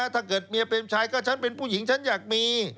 ถ้าเกิดเมียเปรมชัยก็ฉันเป็นผู้หญิงฉันอยากมี